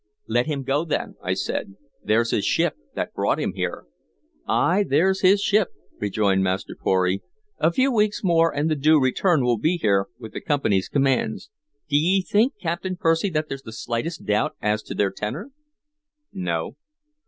"Let him go, then," I said. "There's his ship that brought him here." "Ay, there 's his ship," rejoined Master Pory. "A few weeks more, and the Due Return will be here with the Company's commands. D' ye think, Captain Percy, that there's the slightest doubt as to their tenor?" "No."